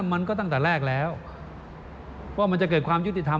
มันก็ตั้งแต่แรกแล้วว่ามันจะเกิดความยุติธรรม